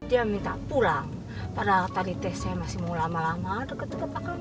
dia minta pulang padahal tadi teh saya masih mau lama lama deket deket